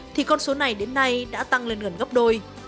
thì con số này đến nay đã tăng lên gần gấp đôi